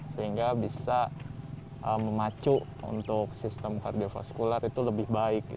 sehingga bisa memacu untuk sistem kardiofaskular itu lebih baik